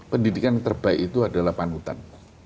pendidikan terbaik itu adalah panutan